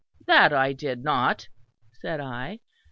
That I did not, said I.